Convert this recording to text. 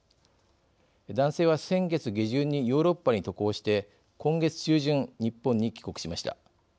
男性は、先月下旬にヨーロッパに渡航して今月中旬、日本に帰国しました。